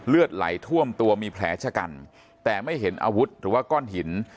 เลือดไหลท่วมตัวมีแผลชะกันแต่ไม่เห็นอาวุธหรือว่าก้อนหิน